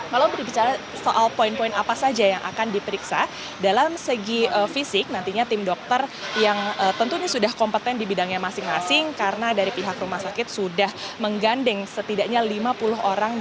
kalau berbicara soal poin poin apa saja yang akan diperiksa dalam segi fisik nantinya tim dokter yang tentunya sudah kompeten di bidangnya masing masing karena dari pihak rumah sakit sudah menggandeng setidaknya lima puluh orang